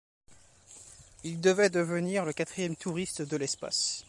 Il devait devenir le quatrième touriste de l'espace.